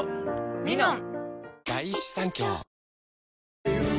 「ミノン」